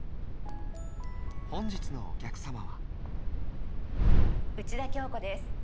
本日のお客さまは内田恭子です。